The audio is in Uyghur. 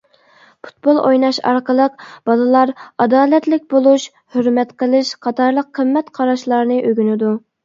پۇتبول ئويناش ئارقىلىق بالىلار ئادالەتلىك بولۇش، ھۆرمەت قىلىش قاتارلىق قىممەت قاراشلارنى ئۆگىنىدۇ.